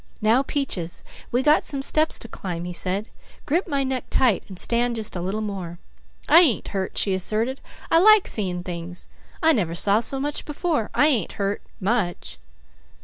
"Now Peaches, we got some steps to climb," he said. "Grip my neck tight and stand just a little more." "I ain't hurt!" she asserted. "I like seein' things. I never saw so much before. I ain't hurt much!"